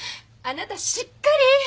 あなたしっかり！